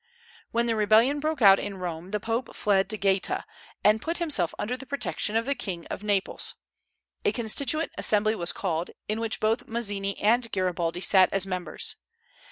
When the rebellion broke out in Rome the Pope fled to Gaeta, and put himself under the protection of the King of Naples. A Constituent Assembly was called, in which both Mazzini and Garibaldi sat as members.